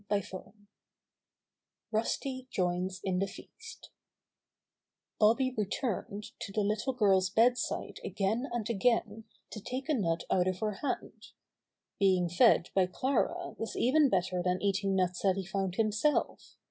STORY V Rusty Joins in the Feast Bobby returned to the little girl's bed side again and again to take a nut out of her hand. Being fed by Clara was even better than eat ing nuts that he found himself.